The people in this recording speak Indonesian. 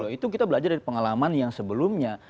itu kita belajar dari pengalaman yang sebelumnya